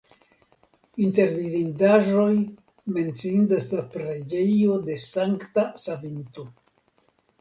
Inter vidindaĵoj menciindas la preĝejo de Sankta Savinto.